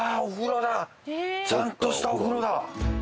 ちゃんとしたお風呂だ！